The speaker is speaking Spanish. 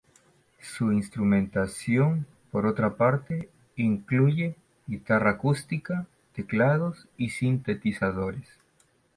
Su instrumentación, por otra parte, incluye Guitarra acústica, teclados y sintetizadores.